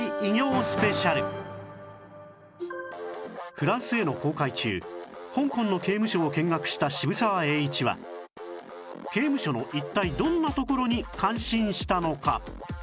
フランスへの航海中香港の刑務所を見学した渋沢栄一は刑務所の一体どんなところに感心したのか？